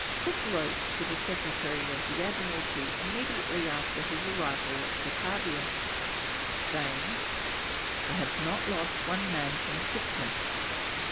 Cook wrote to the Secretary to the Admiralty immediately after his arrival at Batavia, saying, "I have not lost one man from sickness."